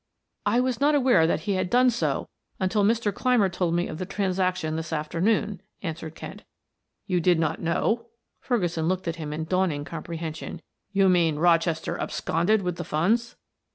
"I was not aware that he had done so until Mr. Clymer told me of the transaction this afternoon," answered Kent. "You did not know" Ferguson looked at him in dawning comprehension. "You mean Rochester absconded with the funds?"